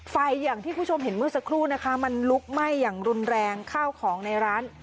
อย่างที่คุณผู้ชมเห็นเมื่อสักครู่นะคะมันลุกไหม้อย่างรุนแรงข้าวของในร้าน